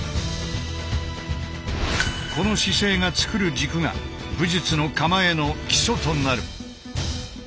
この姿勢が作る軸が武術の構えの基礎となる。